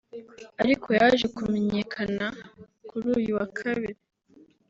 ariko yaje kumenyekana kuri uyu wa kabiri